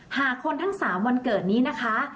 หากคนทั้ง๓วันเกิดนี้นะคะ